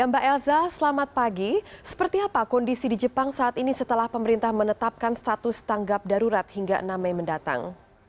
mbak elza selamat pagi seperti apa kondisi di jepang saat ini setelah pemerintah menetapkan status tanggap darurat hingga enam mei mendatang